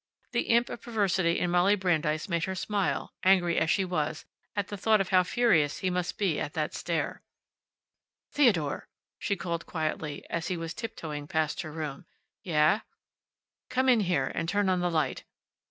The imp of perversity in Molly Brandeis made her smile, angry as she was, at the thought of how furious he must be at that stair. "Theodore!" she called quietly, just as he was tip toeing past her room. "Yeh." "Come in here. And turn on the light."